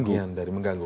bagian dari mengganggu